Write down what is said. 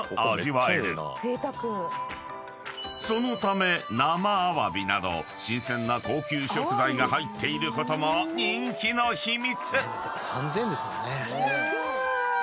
［そのため生アワビなど新鮮な高級食材が入っていることも人気の秘密］